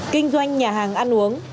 kinh doanh nhà hàng ăn uống